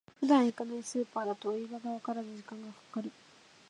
普段行かないスーパーだと売り場がわからず時間がかかる